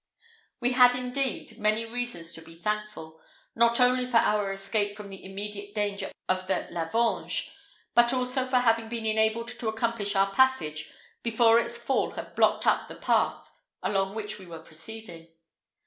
We had, indeed, many reasons to be thankful, not only for our escape from the immediate danger of the lavange, but also for having been enabled to accomplish our passage before its fall had blocked up the path along which we were proceeding.